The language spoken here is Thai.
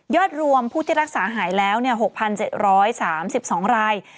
รวมผู้ที่รักษาหายแล้ว๖๗๓๒ราย